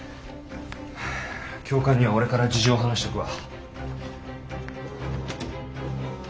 教官には俺から事情話しとくわ。